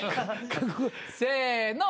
せの。